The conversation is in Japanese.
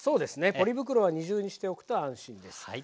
ポリ袋は二重にしておくと安心です。